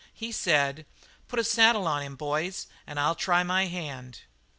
He said: "Put a saddle on him, boys, and I'll try my hand."